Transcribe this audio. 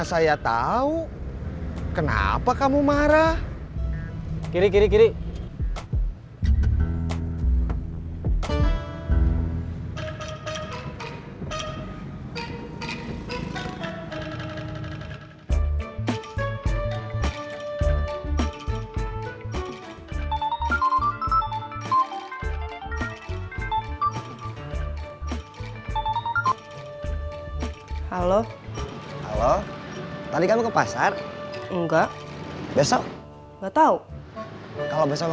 saya akan istirahat seharusnya